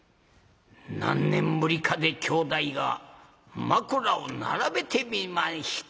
何年ぶりかで兄弟が枕を並べて寝ました